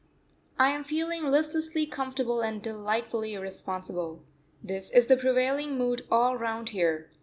I am feeling listlessly comfortable and delightfully irresponsible. This is the prevailing mood all round here.